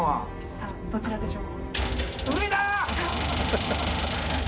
さあ、どちらでしょう。